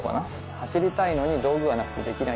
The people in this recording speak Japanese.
走りたいのに道具がなくてできない。